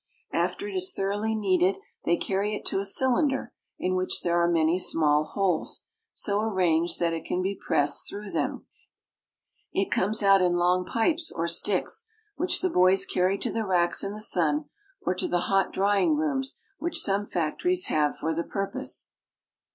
After it is thoroughly kneaded they carry it to a cylinder, in which there are many small holes, so arranged that it can be pressed through them. It comes out in long pipes or sticks, which the boys carry to the NAPLES AND MOUNT VESUVIUS. 42 1 racks in the sun, or to the hot drying rooms which some factories have for the purpose.